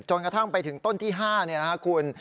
จนกระทั่งไปถึงต้นที่ห้าเนี่ยนะครับคุณ